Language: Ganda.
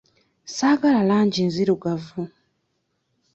Saagala langi nzirugavu.